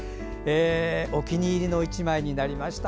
お気に入りの１枚になりました。